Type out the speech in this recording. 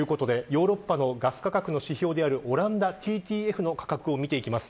ヨーロッパのガス価格の指標である、オランダＴＴＦの価格を見ていきます。